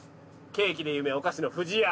ケーキで有名お菓子の「不二家」。